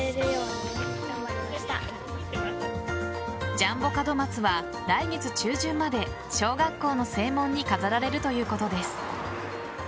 ジャンボ門松は来月中旬まで小学校の正門に飾られるということです。